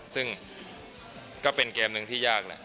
ซึ่งก็เป็นเกมหนึ่งที่ยากแหละ